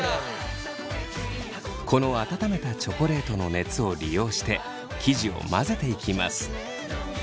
この温めたチョコレートの熱を利用して生地を混ぜていきます。